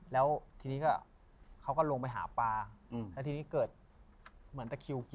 แล้วทีนี้ก็เขาก็ลงไปหาปลาแล้วทีนี้เกิดเหมือนตะคิวกิน